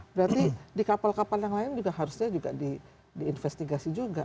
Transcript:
berarti di kapal kapal yang lain juga harusnya juga diinvestigasi juga